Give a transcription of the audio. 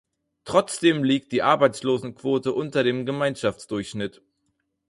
Trotzdem liegt die Arbeitslosenquote unter dem Gemeinschaftsdurchschnitt.